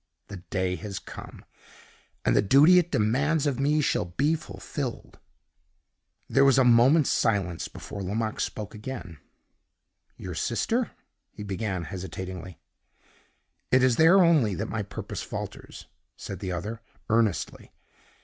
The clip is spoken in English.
The day has come, and the duty it demands of me shall be fulfilled." There was a moment's silence before Lomaque spoke again. "Your sister?" he began, hesitatingly. "It is there only that my purpose falters," said the other, earnestly.